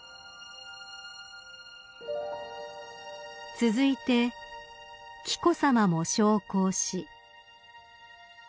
［続いて紀子さまも焼香し］